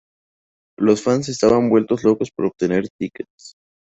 Los fans estaban vueltos locos por obtener tickets.